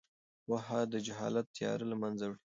پوهه د جهالت تیاره له منځه وړي.